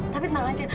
tapi tenang aja